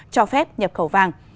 cho phép nhập khẩu vàng